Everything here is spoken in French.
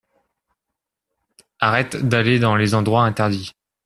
arrête d'aller dans les endroits interdits.